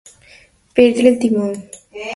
Perdre el timó.